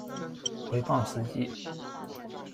毁谤司机